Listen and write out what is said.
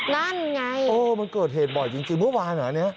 นั่นไงโอ้มันเกิดเหตุบ่อยจริงเมื่อวานเหรอเนี่ย